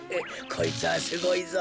こいつはすごいぞ！